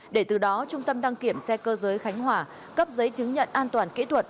để từ đó trung tâm đăng kiểm xe cơ giới khánh hòa cấp giấy chứng nhận an toàn kỹ thuật